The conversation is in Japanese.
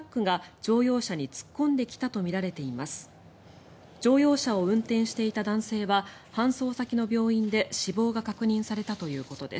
乗用車を運転していた男性は搬送先の病院で死亡が確認されたということです。